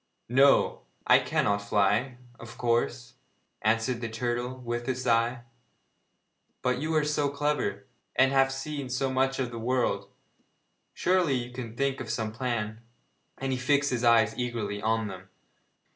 'No, I cannot fly, of course,' answered the turtle, with a sigh. 'But you are so clever, and have seen so much of the world surely you can think of some plan?' And he fixed his eyes eagerly on them.